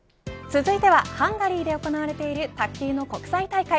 続いてはハンガリーで行われている卓球の国際大会。